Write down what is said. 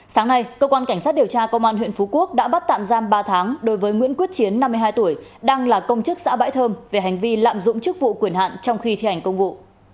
sáng nay cơ quan cảnh sát điều tra công an huyện phú quốc đã bắt tạm giam ba tháng đối với nguyễn quyết chiến năm mươi hai tuổi đang là công chức xã bãi thơm về hành vi lạm dụng chức vụ quyền hạn trong khi thi hành công vụ